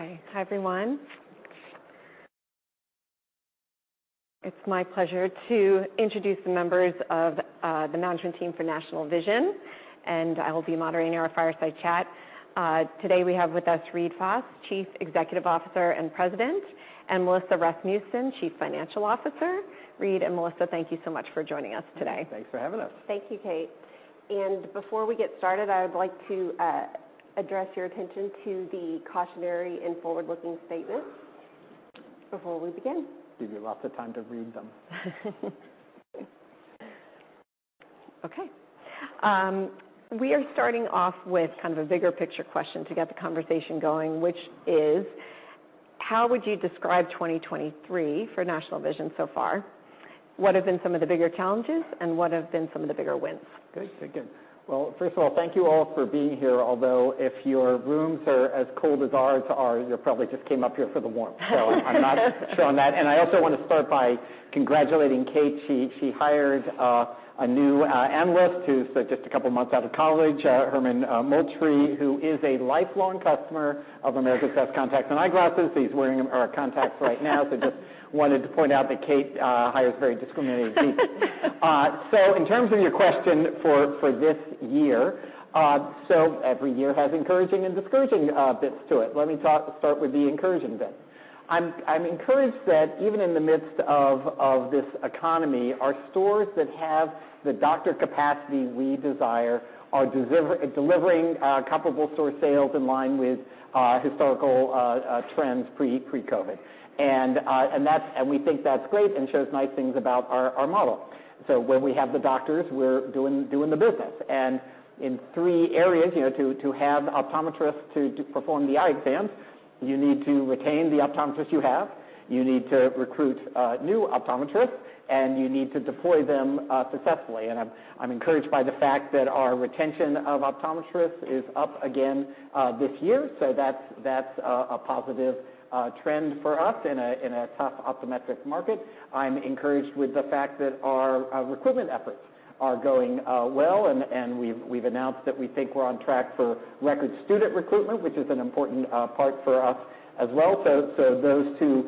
Okay. Hi, everyone. It's my pleasure to introduce the members of the management team for National Vision, and I will be moderating our fireside chat. Today, we have with us Reade Fahs, Chief Executive Officer and President, and Melissa Rasmussen, Chief Financial Officer. Reade and Melissa, thank you so much for joining us today. Thanks for having us. Thank you, Kate. Before we get started, I would like to address your attention to the cautionary and forward-looking statements before we begin. Give you lots of time to read them. Okay. We are starting off with kind of a bigger picture question to get the conversation going, which is: How would you describe 2023 for National Vision so far? What have been some of the bigger challenges, and what have been some of the bigger wins? Good. Very good. Well, first of all, thank you all for being here, although if your rooms are as cold as ours are, you probably just came up here for the warmth. So I'm not sure on that. And I also want to start by congratulating Kate. She hired a new analyst who's just a couple months out of college, Herman Moultrie, who is a lifelong customer of America's Best Contacts and Eyeglasses. He's wearing them, contacts right now. So just wanted to point out that Kate hires very discriminating people. So in terms of your question for this year, so every year has encouraging and discouraging bits to it. Let me start with the encouraging bit. I'm encouraged that even in the midst of this economy, our stores that have the doctor capacity we desire are delivering comparable store sales in line with historical trends pre-COVID. And that's, and we think that's great and shows nice things about our model. So when we have the doctors, we're doing the business. And in three areas, you know, to have optometrists to perform the eye exams, you need to retain the optometrists you have, you need to recruit new optometrists, and you need to deploy them successfully. And I'm encouraged by the fact that our retention of optometrists is up again this year, so that's a positive trend for us in a tough optometric market. I'm encouraged with the fact that our recruitment efforts are going well, and we've announced that we think we're on track for record student recruitment, which is an important part for us as well. So those two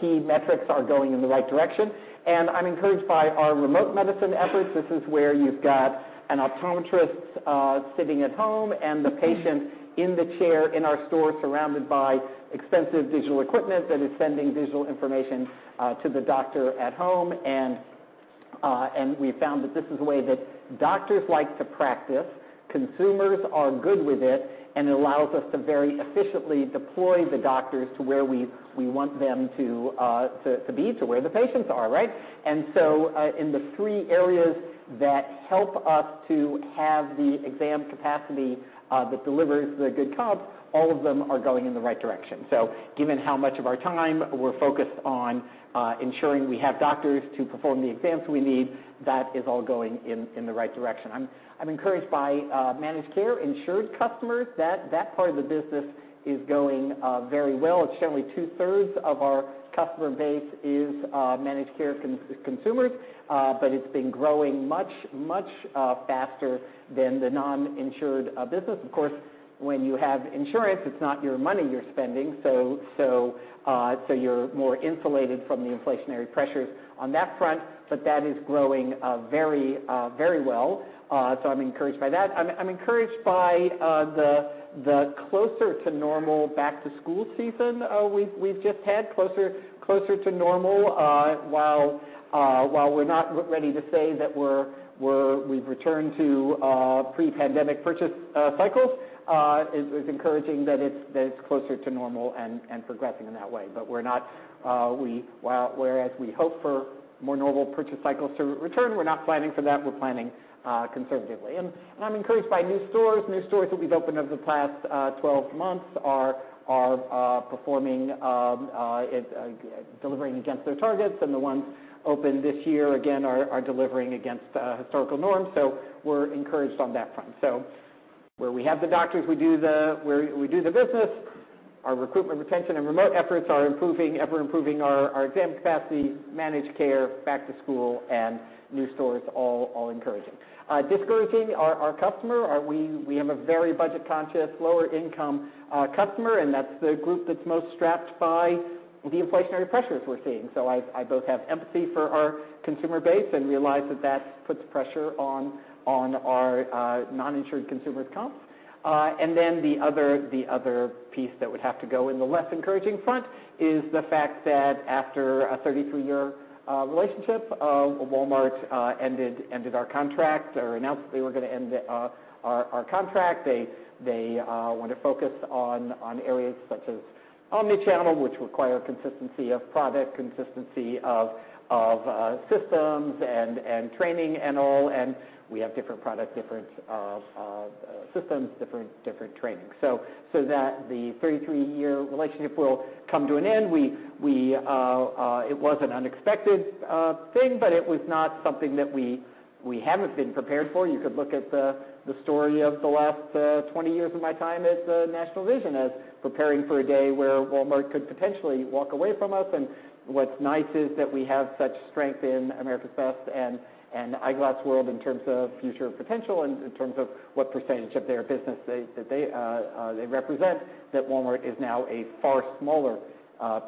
key metrics are going in the right direction. And I'm encouraged by our remote medicine efforts. This is where you've got an optometrist sitting at home and the patient in the chair in our store, surrounded by extensive digital equipment that is sending digital information to the doctor at home. And we found that this is a way that doctors like to practice, consumers are good with it, and it allows us to very efficiently deploy the doctors to where we want them to be, to where the patients are, right? So, in the three areas that help us to have the exam capacity, that delivers the good comps, all of them are going in the right direction. Given how much of our time we're focused on ensuring we have doctors to perform the exams we need, that is all going in the right direction. I'm encouraged by managed care insured customers. That part of the business is going very well. It's generally two-thirds of our customer base is managed care consumers, but it's been growing much faster than the non-insured business. Of course, when you have insurance, it's not your money you're spending, so you're more insulated from the inflationary pressures on that front, but that is growing very well. So I'm encouraged by that. I'm encouraged by the closer to normal back to school season we've just had. Closer to normal. While we're not ready to say that we've returned to pre-pandemic purchase cycles, it's encouraging that it's closer to normal and progressing in that way. But we're not—while we hope for more normal purchase cycles to return, we're not planning for that. We're planning conservatively. And I'm encouraged by new stores. New stores that we've opened over the past 12 months are performing, delivering against their targets, and the ones opened this year, again, are delivering against historical norms. So we're encouraged on that front. So where we have the doctors, we do the business. Our recruitment, retention, and remote efforts are improving, ever improving our exam capacity, managed care, back to school, and new stores, all encouraging. Discouraging are our customer. We have a very budget-conscious, lower-income customer, and that's the group that's most strapped by the inflationary pressures we're seeing. So I both have empathy for our consumer base and realize that that puts pressure on our non-insured consumers' comps. And then the other piece that would have to go in the less encouraging front is the fact that after a 33-year relationship, Walmart ended our contract or announced that they were gonna end our contract. They want to focus on areas such as omni-channel, which require consistency of product, consistency of systems and training and all, and we have different product, different systems, different training. So that the 33-year relationship will come to an end. We... It was an unexpected thing, but it was not something that we haven't been prepared for. You could look at the story of the last 20 years of my time at National Vision as preparing for a day where Walmart could potentially walk away from us. What's nice is that we have such strength in America's Best and Eyeglass World in terms of future potential and in terms of what percentage of their business they represent, that Walmart is now a far smaller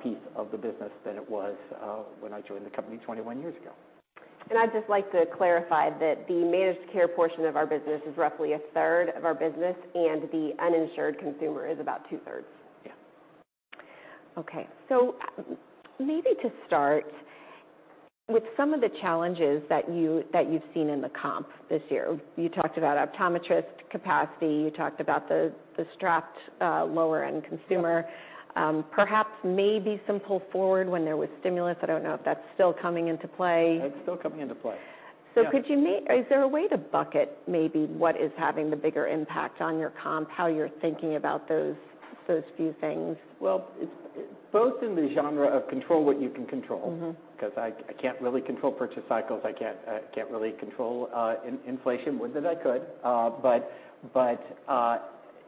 piece of the business than it was when I joined the company 21 years ago.... I'd just like to clarify that the managed care portion of our business is roughly a third of our business, and the uninsured consumer is about two-thirds. Yeah. Okay, so maybe to start with some of the challenges that you've seen in the comp this year. You talked about optometrist capacity, you talked about the strapped lower-end consumer. Perhaps maybe some pull forward when there was stimulus. I don't know if that's still coming into play. That's still coming into play. Is there a way to bucket maybe what is having the bigger impact on your comp, how you're thinking about those, those few things? Well, it's both in the vein of control what you can control. Mm-hmm. 'Cause I can't really control purchase cycles. I can't really control inflation. Would that I could, but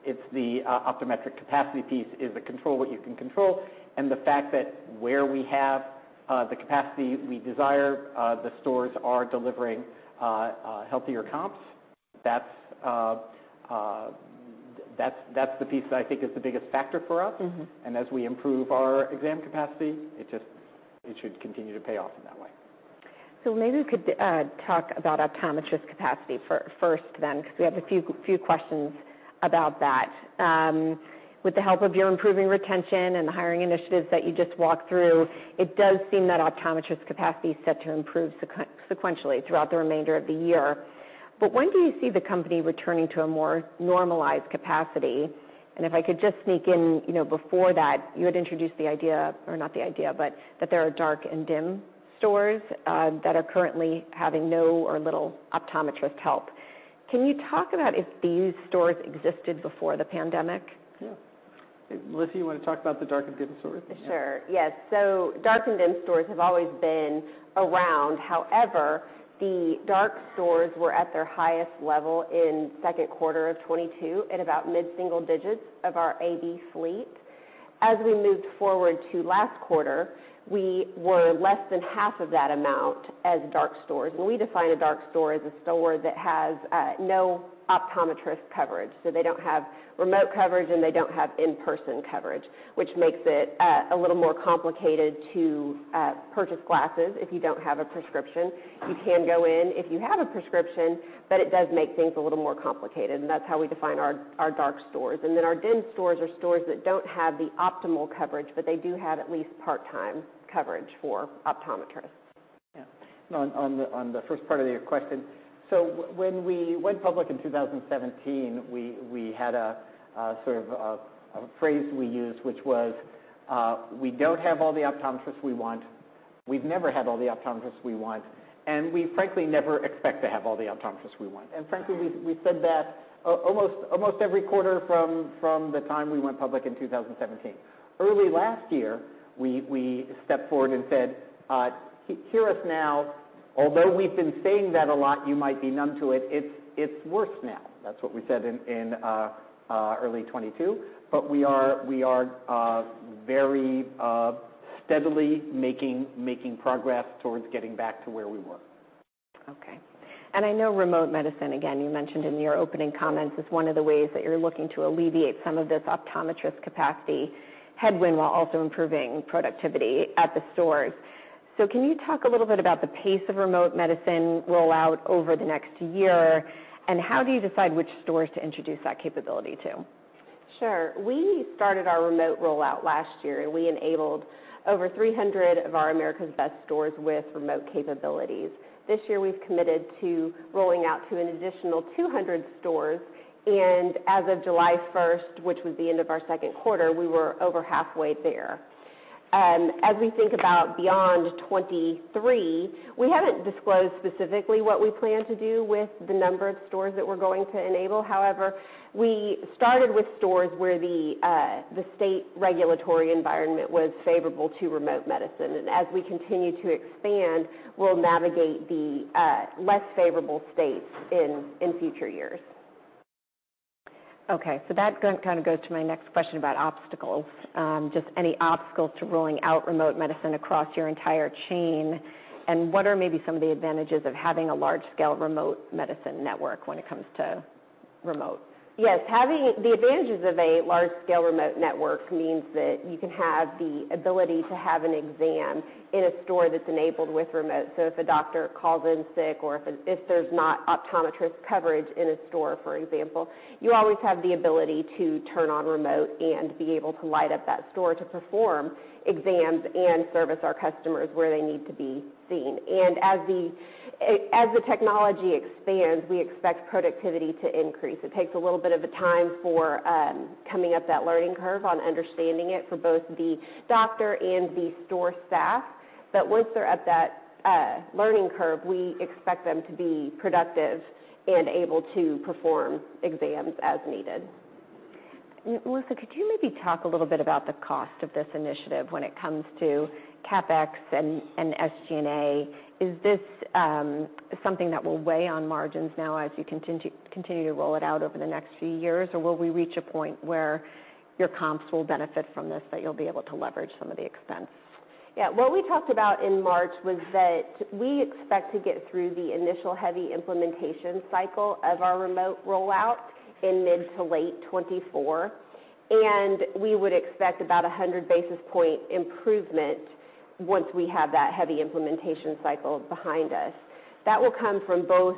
it's the optometric capacity piece is the control what you can control, and the fact that where we have the capacity we desire, the stores are delivering healthier comps. That's, that's the piece that I think is the biggest factor for us. Mm-hmm. As we improve our exam capacity, it just should continue to pay off in that way. So maybe you could talk about optometrist capacity first then, because we have a few questions about that. With the help of your improving retention and the hiring initiatives that you just walked through, it does seem that optometrist capacity is set to improve sequentially throughout the remainder of the year. But when do you see the company returning to a more normalized capacity? And if I could just sneak in, you know, before that, you had introduced the idea, or not the idea, but that there are dark and dim stores that are currently having no or little optometrist help. Can you talk about if these stores existed before the pandemic? Yeah. Melissa, you wanna talk about the dark and dim stores? Sure. Yes, so dark and dim stores have always been around. However, the dark stores were at their highest level in second quarter of 2022 at about mid-single digits of our AB fleet. As we moved forward to last quarter, we were less than half of that amount as dark stores. And we define a dark store as a store that has no optometrist coverage. So they don't have remote coverage, and they don't have in-person coverage, which makes it a little more complicated to purchase glasses if you don't have a prescription. You can go in if you have a prescription, but it does make things a little more complicated, and that's how we define our, our dark stores. And then our dim stores are stores that don't have the optimal coverage, but they do have at least part-time coverage for optometrists. Yeah. On the first part of your question, when we went public in 2017, we had a sort of phrase we used, which was, "We don't have all the optometrists we want. We've never had all the optometrists we want, and we frankly never expect to have all the optometrists we want." And frankly, we said that almost every quarter from the time we went public in 2017. Early last year, we stepped forward and said, "Hear us now. Although we've been saying that a lot, you might be numb to it, it's worse now." That's what we said in early 2022, but we are very steadily making progress towards getting back to where we were. Okay. And I know remote medicine, again, you mentioned in your opening comments, is one of the ways that you're looking to alleviate some of this optometrist capacity headwind, while also improving productivity at the stores. So can you talk a little bit about the pace of remote medicine rollout over the next year, and how do you decide which stores to introduce that capability to? Sure. We started our remote rollout last year, and we enabled over 300 of our America's Best stores with remote capabilities. This year, we've committed to rolling out to an additional 200 stores, and as of July 1st, which was the end of our second quarter, we were over halfway there. As we think about beyond 2023, we haven't disclosed specifically what we plan to do with the number of stores that we're going to enable. However, we started with stores where the state regulatory environment was favorable to remote medicine. And as we continue to expand, we'll navigate the less favorable states in future years. Okay, so that kind of goes to my next question about obstacles. Just any obstacles to rolling out remote medicine across your entire chain, and what are maybe some of the advantages of having a large-scale remote medicine network when it comes to remote? Yes, having... The advantages of a large-scale remote network means that you can have the ability to have an exam in a store that's enabled with remote. So if a doctor calls in sick or if there's not optometrist coverage in a store, for example, you always have the ability to turn on remote and be able to light up that store to perform exams and service our customers where they need to be seen. And as the technology expands, we expect productivity to increase. It takes a little bit of a time for coming up that learning curve on understanding it for both the doctor and the store staff. But once they're up that learning curve, we expect them to be productive and able to perform exams as needed. Melissa, could you maybe talk a little bit about the cost of this initiative when it comes to CapEx and SG&A? Is this something that will weigh on margins now as you continue to roll it out over the next few years? Or will we reach a point where your comps will benefit from this, that you'll be able to leverage some of the expense? Yeah. What we talked about in March was that we expect to get through the initial heavy implementation cycle of our remote rollout in mid-to-late 2024.... and we would expect about 100 basis point improvement once we have that heavy implementation cycle behind us. That will come from both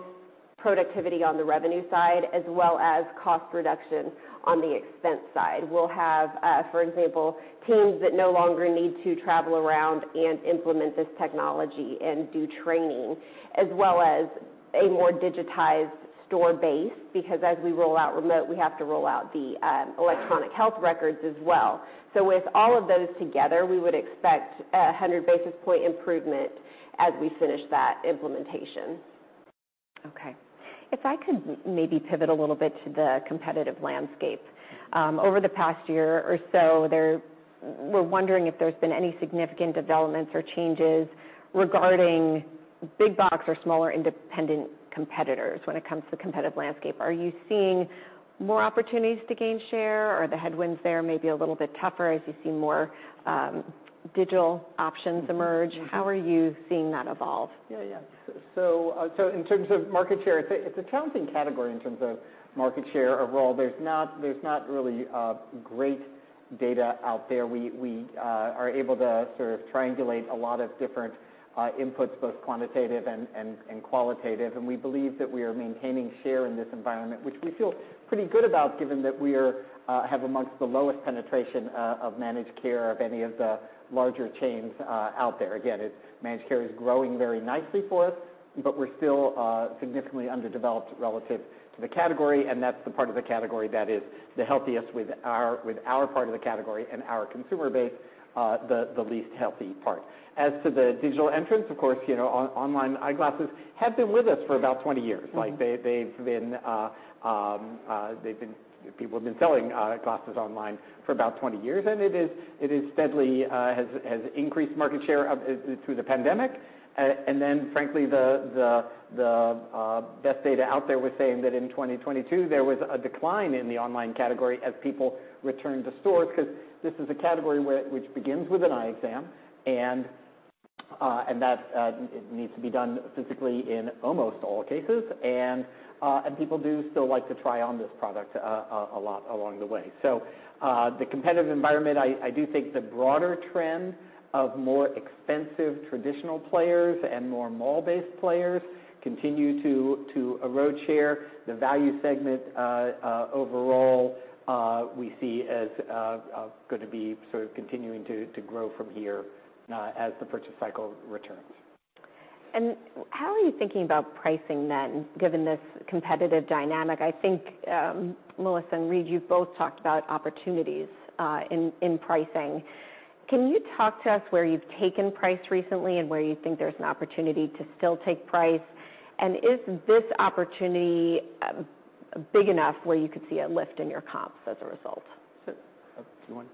productivity on the revenue side as well as cost reduction on the expense side. We'll have, for example, teams that no longer need to travel around and implement this technology and do training, as well as a more digitized store base, because as we roll out remote, we have to roll out the, electronic health records as well. So with all of those together, we would expect 100 basis point improvement as we finish that implementation. Okay. If I could maybe pivot a little bit to the competitive landscape. Over the past year or so, we're wondering if there's been any significant developments or changes regarding big box or smaller independent competitors when it comes to competitive landscape. Are you seeing more opportunities to gain share, or are the headwinds there maybe a little bit tougher as you see more, digital options emerge? How are you seeing that evolve? Yeah, yeah. So, so in terms of market share, it's a, it's a challenging category in terms of market share overall. There's not, there's not really great data out there. We, we are able to sort of triangulate a lot of different inputs, both quantitative and qualitative. And we believe that we are maintaining share in this environment, which we feel pretty good about, given that we are have amongst the lowest penetration of managed care of any of the larger chains out there. Again, it's managed care is growing very nicely for us, but we're still significantly underdeveloped relative to the category, and that's the part of the category that is the healthiest with our part of the category and our consumer base, the least healthy part. As to the digital entrants, of course, you know, online eyeglasses have been with us for about 20 years. Mm-hmm. Like, they've been—people have been selling eyeglasses online for about 20 years, and it is steadily has increased market share through the pandemic. And then frankly, the best data out there was saying that in 2022, there was a decline in the online category as people returned to stores, because this is a category which begins with an eye exam, and that needs to be done physically in almost all cases. And people do still like to try on this product a lot along the way. So, the competitive environment, I do think the broader trend of more expensive traditional players and more mall-based players continue to erode share. The value segment, overall, we see as going to be sort of continuing to grow from here, as the purchase cycle returns. And how are you thinking about pricing then, given this competitive dynamic? I think, Melissa and Reade, you've both talked about opportunities in pricing. Can you talk to us where you've taken price recently and where you think there's an opportunity to still take price? And is this opportunity big enough where you could see a lift in your comps as a result? So, do you want?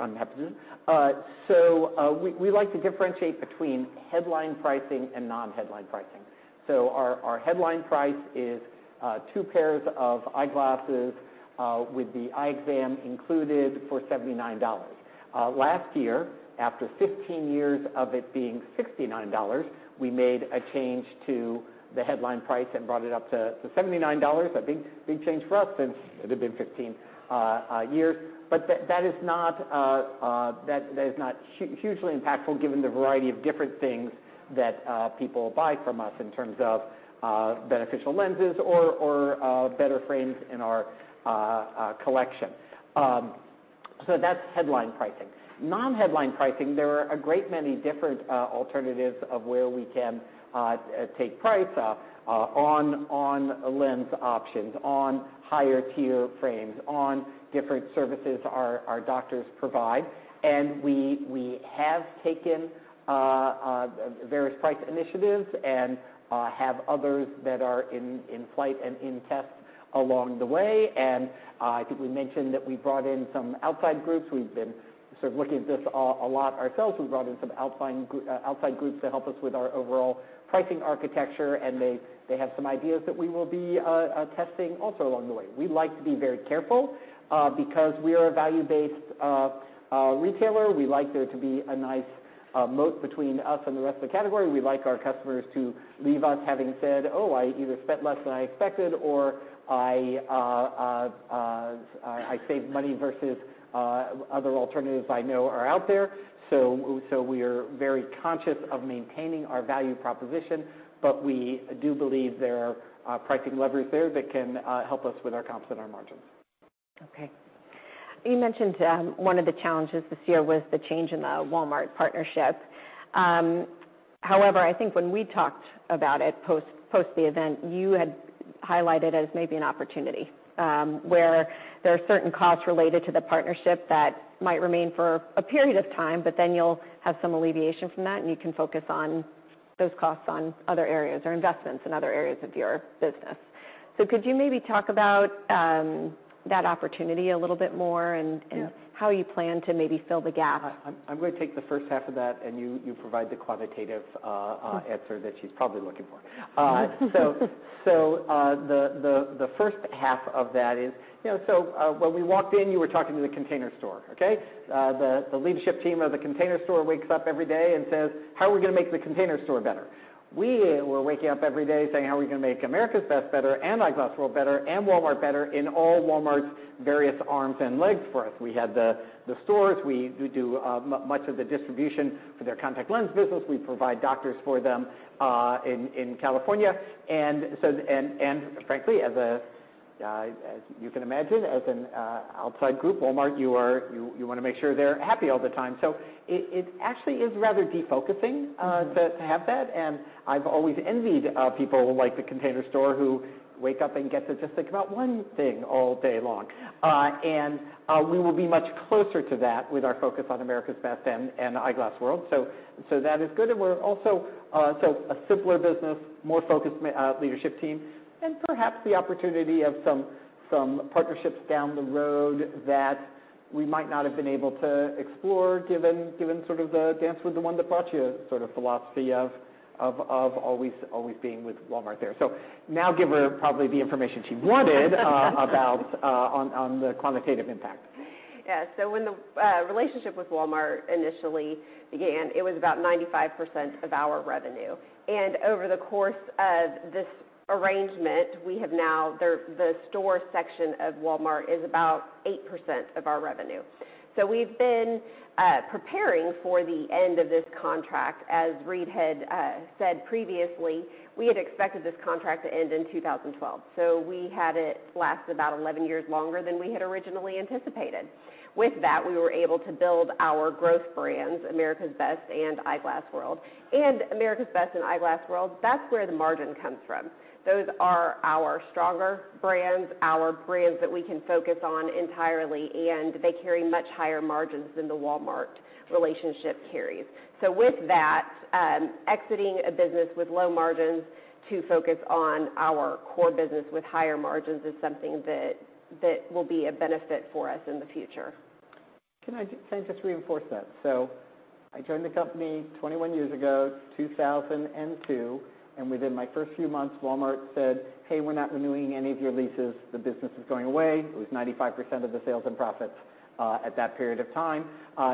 I'm happy to do it. So, we like to differentiate between headline pricing and non-headline pricing. So our headline price is two pairs of eyeglasses with the eye exam included for $79. Last year, after 15 years of it being $69, we made a change to the headline price and brought it up to $79. A big, big change for us since it had been 15 years. But that is not hugely impactful given the variety of different things that people buy from us in terms of beneficial lenses or better frames in our collection. So that's headline pricing. Non-headline pricing, there are a great many different alternatives of where we can take price on lens options, on higher tier frames, on different services our doctors provide. And we have taken various price initiatives and have others that are in flight and in test along the way. And I think we mentioned that we brought in some outside groups. We've been sort of looking at this a lot ourselves. We brought in some outside groups to help us with our overall pricing architecture, and they have some ideas that we will be testing also along the way. We like to be very careful because we are a value-based retailer. We like there to be a nice moat between us and the rest of the category. We like our customers to leave us having said, "Oh, I either spent less than I expected," or, "I saved money versus other alternatives I know are out there." So we are very conscious of maintaining our value proposition, but we do believe there are pricing levers there that can help us with our comps and our margins. Okay. You mentioned one of the challenges this year was the change in the Walmart partnership. However, I think when we talked about it post the event, you had highlighted as maybe an opportunity, where there are certain costs related to the partnership that might remain for a period of time, but then you'll have some alleviation from that, and you can focus on those costs on other areas or investments in other areas of your business. So could you maybe talk about that opportunity a little bit more, and- Yeah ... how you plan to maybe fill the gap? I'm going to take the first half of that, and you provide the quantitative answer that she's probably looking for. So, the first half of that is, you know, when we walked in, you were talking to The Container Store, okay? The leadership team of The Container Store wakes up every day and says: How are we gonna make The Container Store better? We were waking up every day saying: How are we gonna make America's Best better, and Eyeglass World better, and Walmart better in all Walmart's various arms and legs for us? We had the stores. We do much of the distribution for their contact lens business. We provide doctors for them in California. And so, frankly, as a... As you can imagine, as an outside group, Walmart, you wanna make sure they're happy all the time. So it actually is rather defocusing to have that, and I've always envied people like The Container Store, who wake up and get to just think about one thing all day long. We will be much closer to that with our focus on America's Best and Eyeglass World. So that is good. We're also a simpler business, more focused leadership team, and perhaps the opportunity of some partnerships down the road that we might not have been able to explore, given sort of the dance with the one that brought you sort of philosophy of always being with Walmart there. So now give her probably the information she wanted about on the quantitative impact. Yeah. So when the relationship with Walmart initially began, it was about 95% of our revenue. And over the course of this arrangement, we have now, the store section of Walmart is about 8% of our revenue. So we've been preparing for the end of this contract. As Reade had said previously, we had expected this contract to end in 2012. So we had it last about 11 years longer than we had originally anticipated. With that, we were able to build our growth brands, America's Best and Eyeglass World. And America's Best and Eyeglass World, that's where the margin comes from. Those are our stronger brands, our brands that we can focus on entirely, and they carry much higher margins than the Walmart relationship carries. With that, exiting a business with low margins to focus on our core business with higher margins is something that will be a benefit for us in the future. Can I just, can I just reinforce that? So I joined the company 21 years ago, 2002, and within my first few months, Walmart said: "Hey, we're not renewing any of your leases. The business is going away." It was 95% of the sales and profits at that period of time.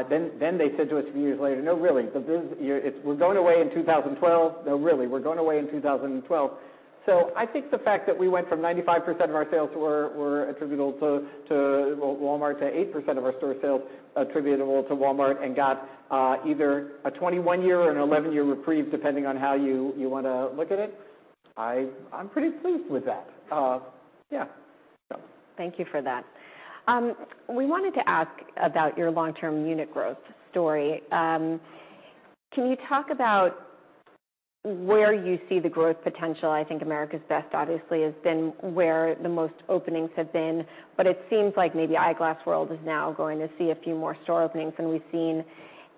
Then they said to us a few years later, "No, really, it's, we're going away in 2012. No, really, we're going away in 2012." So I think the fact that we went from 95% of our sales were attributable to well, Walmart, to 8% of our store sales attributable to Walmart, and got either a 21-year or an 11-year reprieve, depending on how you wanna look at it, I'm pretty pleased with that. Yeah, so. Thank you for that. We wanted to ask about your long-term unit growth story. Can you talk about where you see the growth potential? I think America's Best obviously has been where the most openings have been, but it seems like maybe Eyeglass World is now going to see a few more store openings than we've seen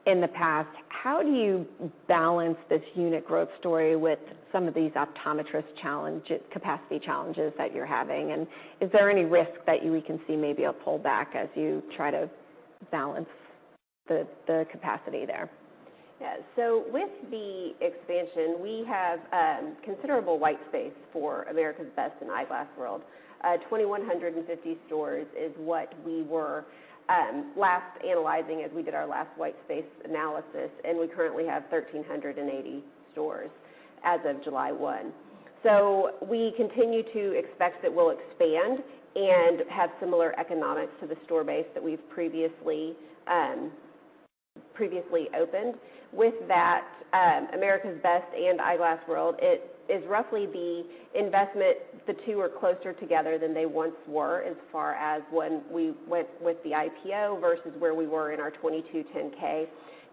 in the past. How do you balance this unit growth story with some of these optometrist challenge, capacity challenges that you're having? And is there any risk that we can see maybe a pullback as you try to balance the, the capacity there? Yeah. So with the expansion, we have considerable white space for America's Best and Eyeglass World. 2,150 stores is what we were last analyzing as we did our last white space analysis, and we currently have 1,380 stores as of July 1. So we continue to expect that we'll expand and have similar economics to the store base that we've previously opened. With that, America's Best and Eyeglass World, it is roughly the investment. The two are closer together than they once were, as far as when we went with the IPO versus where we were in our 2022 10-K.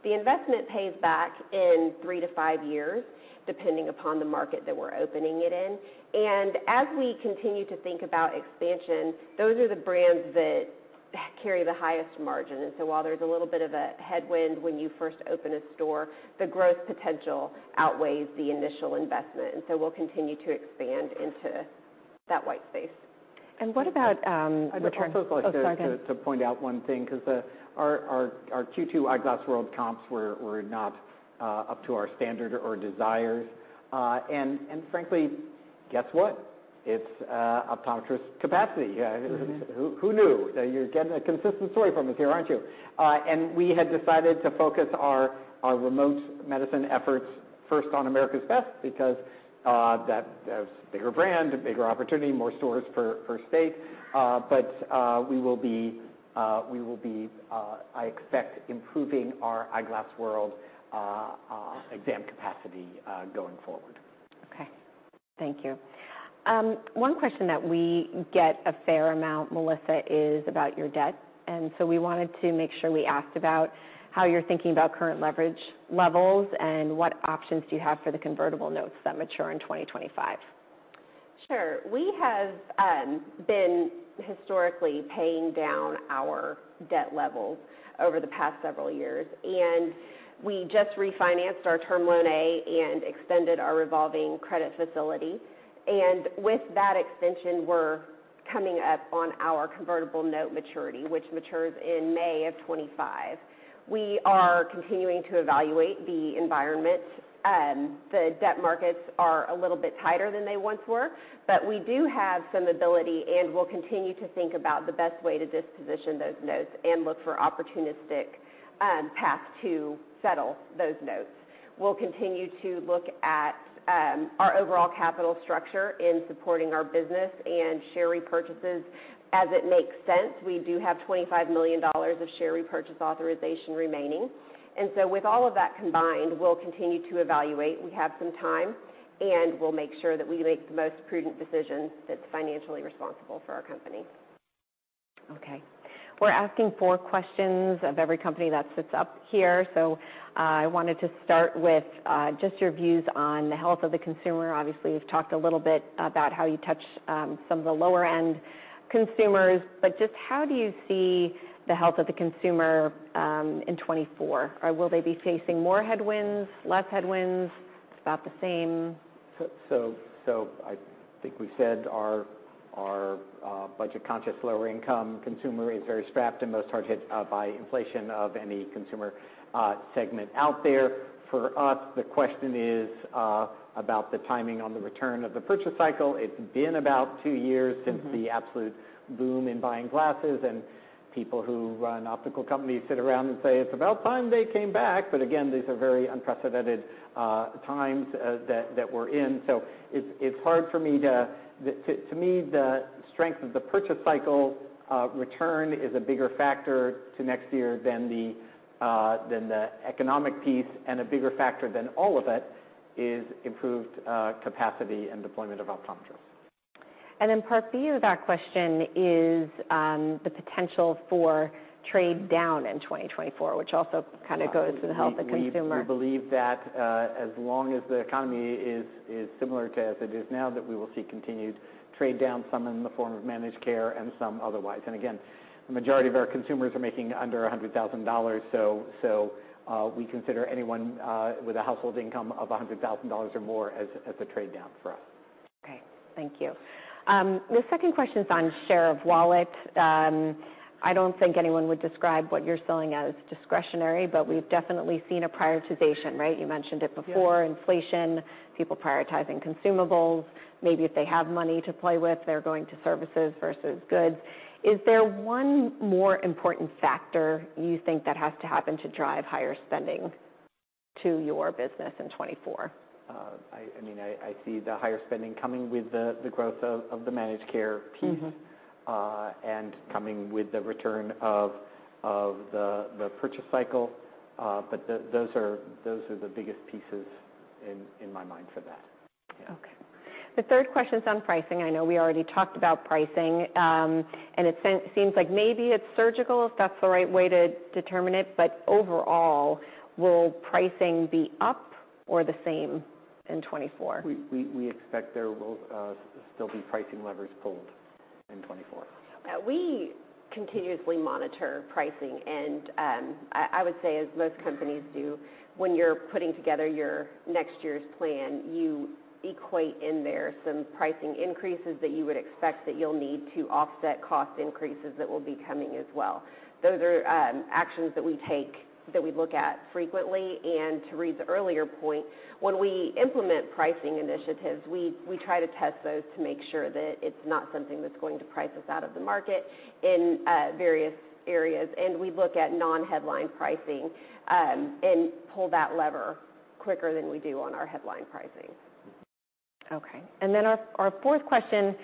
The investment pays back in three to five years, depending upon the market that we're opening it in. And as we continue to think about expansion, those are the brands that carry the highest margin. While there's a little bit of a headwind when you first open a store, the growth potential outweighs the initial investment, and so we'll continue to expand into that white space. What about return- I'd also like to- Oh, sorry. To point out one thing, 'cause our Q2 Eyeglass World comps were not up to our standard or desires. And frankly, guess what? It's optometrist capacity. Who knew? That you're getting a consistent story from us here, aren't you? And we had decided to focus our remote medicine efforts first on America's Best because that's a bigger brand, a bigger opportunity, more stores for space. But we will be, I expect, improving our Eyeglass World exam capacity going forward. Okay. Thank you. One question that we get a fair amount, Melissa, is about your debt, and so we wanted to make sure we asked about how you're thinking about current leverage levels, and what options do you have for the convertible notes that mature in 2025? Sure. We have been historically paying down our debt levels over the past several years, and we just refinanced our Term Loan A and extended our revolving credit facility. With that extension, we're coming up on our convertible note maturity, which matures in May of 2025. We are continuing to evaluate the environment. The debt markets are a little bit tighter than they once were, but we do have some ability, and we'll continue to think about the best way to disposition those notes and look for opportunistic paths to settle those notes. We'll continue to look at our overall capital structure in supporting our business and share repurchases as it makes sense. We do have $25 million of share repurchase authorization remaining. With all of that combined, we'll continue to evaluate. We have some time, and we'll make sure that we make the most prudent decision that's financially responsible for our company.... Okay. We're asking four questions of every company that sits up here. So, I wanted to start with just your views on the health of the consumer. Obviously, you've talked a little bit about how you touch some of the lower end consumers, but just how do you see the health of the consumer in 2024? Or will they be facing more headwinds, less headwinds, about the same? So I think we said our budget-conscious, lower income consumer is very strapped and most targeted by inflation of any consumer segment out there. For us, the question is about the timing on the return of the purchase cycle. It's been about two years. Mm-hmm. Since the absolute boom in buying glasses, and people who run optical companies sit around and say, "It's about time they came back!" But again, these are very unprecedented times that we're in. So it's hard for me. To me, the strength of the purchase cycle return is a bigger factor to next year than the economic piece, and a bigger factor than all of it is improved capacity and deployment of optometry. And then part B of that question is, the potential for trade down in 2024, which also kind of goes to the health of consumer. We believe that, as long as the economy is similar to as it is now, that we will see continued trade down, some in the form of managed care and some otherwise. And again, the majority of our consumers are making under $100,000, so we consider anyone with a household income of $100,000 or more as a trade down for us. Okay, thank you. The second question is on share of wallet. I don't think anyone would describe what you're selling as discretionary, but we've definitely seen a prioritization, right? You mentioned it before. Yes. Inflation, people prioritizing consumables, maybe if they have money to play with, they're going to services versus goods. Is there one more important factor you think that has to happen to drive higher spending to your business in 2024? I mean, I see the higher spending coming with the growth of the managed care piece- Mm-hmm... and coming with the return of the purchase cycle. But those are the biggest pieces in my mind for that. Yeah. Okay. The third question is on pricing. I know we already talked about pricing, and it seems like maybe it's surgical, if that's the right way to determine it. But overall, will pricing be up or the same in 2024? We expect there will still be pricing levers pulled in 2024. We continuously monitor pricing, and I would say, as most companies do, when you're putting together your next year's plan, you equate in there some pricing increases that you would expect that you'll need to offset cost increases that will be coming as well. Those are actions that we take, that we look at frequently. And to Reade's earlier point, when we implement pricing initiatives, we try to test those to make sure that it's not something that's going to price us out of the market in various areas. And we look at non-headline pricing, and pull that lever quicker than we do on our headline pricing. Okay. And then our fourth question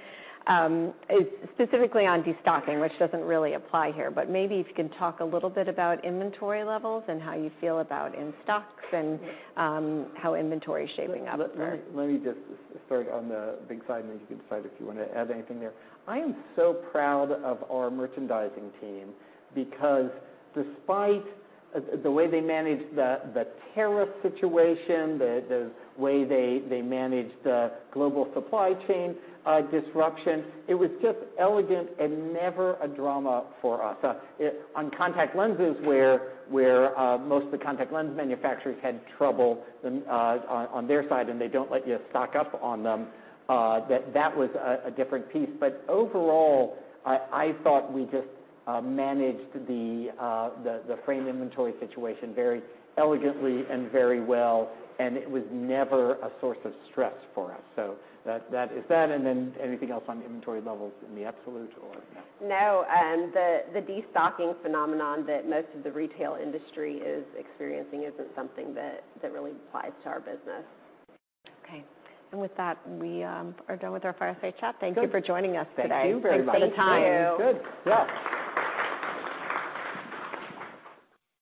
is specifically on destocking, which doesn't really apply here, but maybe if you can talk a little bit about inventory levels and how you feel about in-stocks and how inventory is shaping up for- Let me just start on the big side, and then you can decide if you want to add anything there. I am so proud of our merchandising team, because despite the way they managed the tariff situation, the way they managed the global supply chain disruption, it was just elegant and never a drama for us. On contact lenses, where most of the contact lens manufacturers had trouble on their side, and they don't let you stock up on them, that was a different piece. But overall, I thought we just managed the frame inventory situation very elegantly and very well, and it was never a source of stress for us. So that is that, and then anything else on inventory levels in the absolute or no? No, the destocking phenomenon that most of the retail industry is experiencing isn't something that really applies to our business. Okay. And with that, we are done with our fireside chat. Good. Thank you for joining us today. Thank you very much. Thanks for the time. Thank you. Good, yeah.